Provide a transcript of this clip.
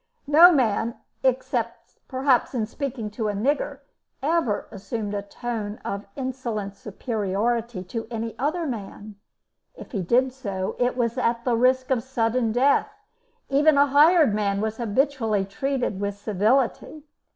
No man except, perhaps, in speaking to a nigger ever assumed a tone of insolent superiority to any other man; if he did so, it was at the risk of sudden death; even a hired man was habitually treated with civility.